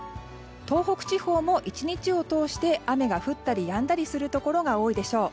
東北地方も１日を通して雨が降ったりやんだりするところが多いでしょう。